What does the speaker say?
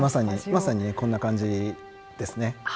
まさにこんな感じですね。